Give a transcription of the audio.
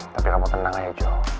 tapi kamu tenang aja